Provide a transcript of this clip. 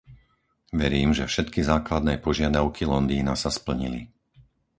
Verím, že všetky základné požiadavky Londýna sa splnili.